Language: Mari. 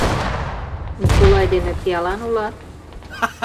— Николай дене пиалан улат?